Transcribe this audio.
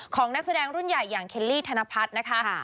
นักแสดงรุ่นใหญ่อย่างเคลลี่ธนพัฒน์นะคะ